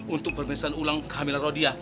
untuk pemirsaan ulang kehamilan rodia